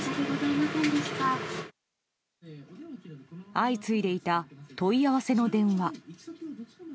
相次いでいた問い合わせの電話。